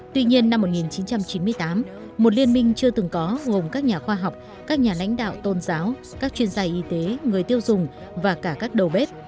tuy nhiên năm một nghìn chín trăm chín mươi tám một liên minh chưa từng có gồm các nhà khoa học các nhà lãnh đạo tôn giáo các chuyên gia y tế người tiêu dùng và cả các đầu bếp